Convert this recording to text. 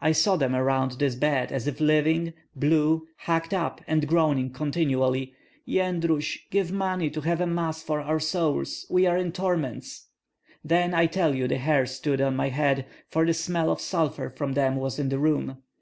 I saw them around this bed as if living, blue, hacked up, and groaning continually, 'Yendrus! give money to have a Mass for our souls; we are in torments!' Then I tell you the hair stood on my head, for the smell of sulphur from them was in the room.